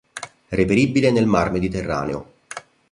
Reperibile nel Mar Mediterraneo.